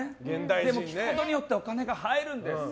でも聞くことによってお金が入るんです。